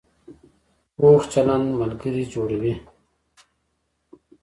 پوخ چلند ملګري جوړوي